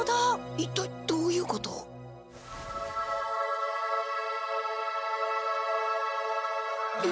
一体どういうこと？え！？